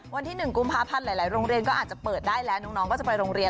วันที่๑กุมภาพันธ์หลายโรงเรียนก็อาจจะเปิดได้แล้วน้องก็จะไปโรงเรียน